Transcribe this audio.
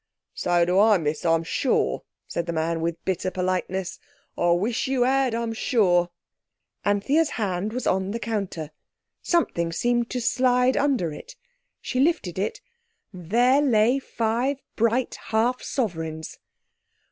"So do I, Miss, I'm sure," said the man with bitter politeness; "I wish you "ad, I'm sure!" Anthea's hand was on the counter, something seemed to slide under it. She lifted it. There lay five bright half sovereigns.